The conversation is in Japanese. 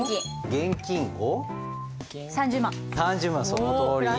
そのとおり。